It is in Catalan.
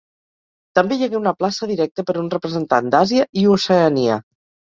També hi hagué una plaça directa per un representant d'Àsia i Oceania.